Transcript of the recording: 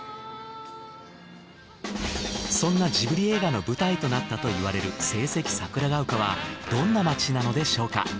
そんなジブリ映画の舞台となったといわれる聖蹟桜ヶ丘はどんな街なのでしょうか。